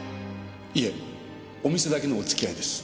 いえお店だけのお付き合いです。